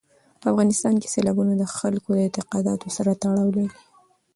په افغانستان کې سیلابونه د خلکو د اعتقاداتو سره تړاو لري.